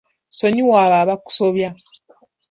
Ssonyiwa abo abakusobya.